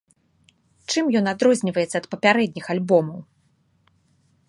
Чым ён адрозніваецца ад папярэдніх альбомаў?